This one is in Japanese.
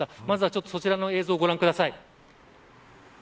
まずはそちらの映像をご覧ください。